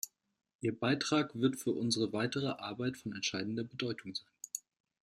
Ihr Beitrag wird für unsere weitere Arbeit von entscheidender Bedeutung sein.